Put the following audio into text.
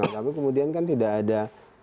tapi kemudian kan tidak ada